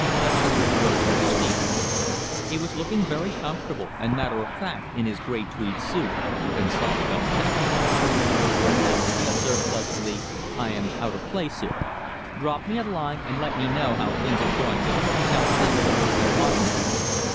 Lutchester rose to his feet. He was looking very comfortable and matter of fact in his grey tweed suit and soft felt hat. "Perhaps," he observed pleasantly, "I am out of place here. Drop me a line and let me know how things are going to the Hotel Capitol at Washington."